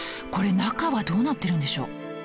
これ中はどうなってるんでしょう？